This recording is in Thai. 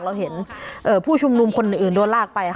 เราเห็นผู้ชุมนุมคนอื่นโดนลากไป